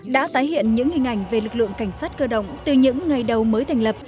đã tái hiện những hình ảnh về lực lượng cảnh sát cơ động từ những ngày đầu mới thành lập